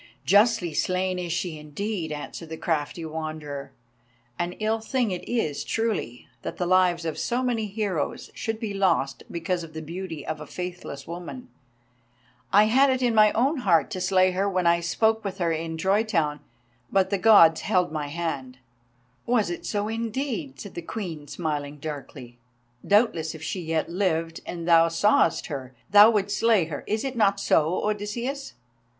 "Justly slain is she indeed," answered the crafty Wanderer. "An ill thing is it, truly, that the lives of so many heroes should be lost because of the beauty of a faithless woman. I had it in my own heart to slay her when I spoke with her in Troy town, but the Gods held my hand." "Was it so, indeed?" said the Queen, smiling darkly. "Doubtless if she yet lived, and thou sawest her, thou wouldst slay her. Is it not so, Odysseus?"